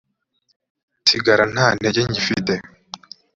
nsigara nta ntege ngifite